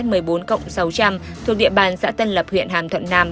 thuộc địa bàn xã tân lập huyện hàm thuận nam